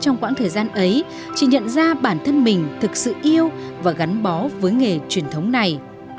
trong quãng thời gian ấy chị nhận ra bản thân mình thực sự yêu và gắn bó với nghề truyền thống này